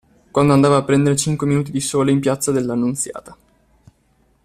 Quando andava a prendere cinque minuti di sole in Piazza dell'Annunziata.